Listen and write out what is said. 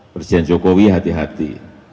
presiden jokowi hati hati